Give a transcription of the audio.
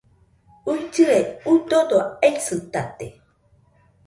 uillɨe, udodo aisɨtate